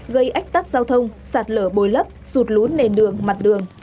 gây ách tắc giao thông sạt lở bồi lấp sụt lún nền đường mặt đường